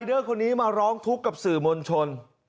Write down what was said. เดอร์คนนี้มาร้องทุกข์กับสื่อมวลชน